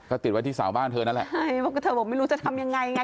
ก็ติดไว้ที่เสาบ้านเธอนั่นแหละใช่เพราะเธอบอกไม่รู้จะทำยังไงไง